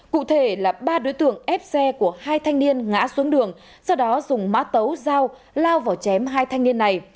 cụ thể là ba đối tượng ép xe của hai thanh niên ngã xuống đường sau đó dùng mã tấu dao lao vào chém hai thanh niên này